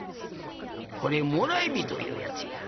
これもらい火というやつや。